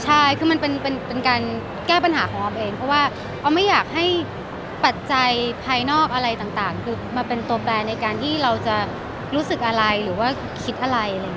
ใช่คือมันเป็นการแก้ปัญหาของออมเองเพราะว่าออมไม่อยากให้ปัจจัยภายนอกอะไรต่างคือมาเป็นตัวแปรในการที่เราจะรู้สึกอะไรหรือว่าคิดอะไรอะไรอย่างนี้